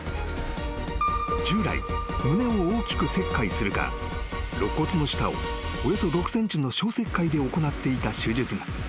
［従来胸を大きく切開するか肋骨の下をおよそ６ｃｍの小切開で行っていた手術が］